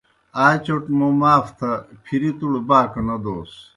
آئے چوْٹ موں معاف تھہ پھری تُوْڑ باکہ نہ دوس۔